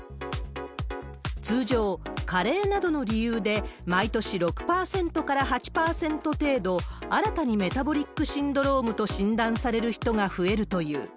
通常、加齢などの理由で毎年６％から８％程度、新たにメタボリックシンドロームと診断される人が増えるという。